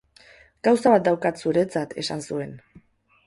Gauza bat daukat zuretzat, esan zuen.